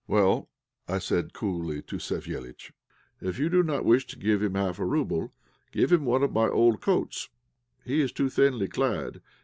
"Well," I said, coolly, to Savéliitch, "if you do not wish to give him half a rouble give him one of my old coats; he is too thinly clad.